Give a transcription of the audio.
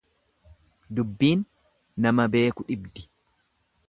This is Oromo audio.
Dubbiin nama beeku dhibdi.